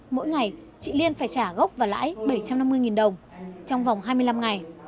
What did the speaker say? mỗi ngày chị liên phải trả gốc và lãi bảy trăm năm mươi đồng trong vòng hai mươi năm ngày